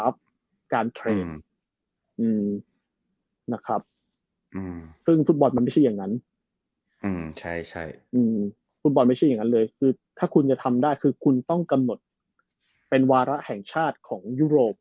ฟุตบอลไม่ใช่อย่างนั้นเลยคือถ้าคุณจะทำได้คือคุณต้องกำหนดเป็นวาระแห่งชาติของยุโรป